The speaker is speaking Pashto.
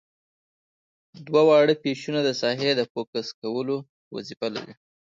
دوه واړه پیچونه د ساحې د فوکس کولو وظیفه لري.